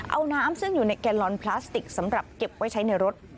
เอาน้ำซึ่งอยู่ในแกลลอนพลาสติกสำหรับเก็บไว้ใช้ในรถ